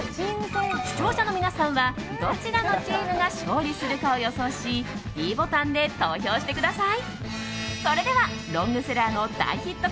視聴者の皆さんはどちらのチームが勝利するのかを予想しｄボタンで投票してください。